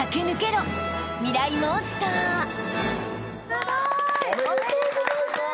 すごい！おめでとうございます！